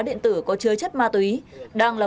điện tử có chứa chất ma túy đang là